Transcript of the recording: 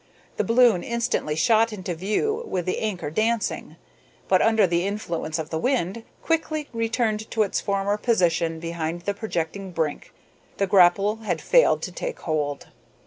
The balloon instantly shot into view with the anchor dancing, but, under the influence of the wind, quickly returned to its former position behind the projecting brink. The grapple had failed to take hold.